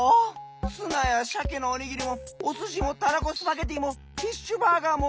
ツナやしゃけのおにぎりもおすしもたらこスパゲティーもフィッシュバーガーも！